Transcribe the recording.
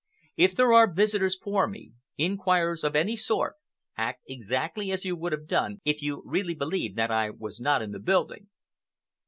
If there are visitors for me—inquirers of any sort—act exactly as you would have done if you really believed that I was not in the building."